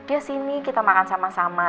dia sini kita makan sama sama